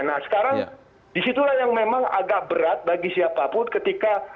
nah sekarang disitulah yang memang agak berat bagi siapapun ketika